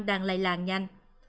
đang lây làn nhanh